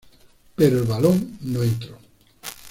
Pero el balón no entró.